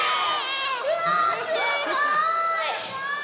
うわすごい！